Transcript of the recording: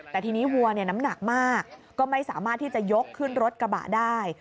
แต่ทีนี้หัวน้ำหนักมากก็ไม่สามารถที่จะยกขึ้นรถกระบะได้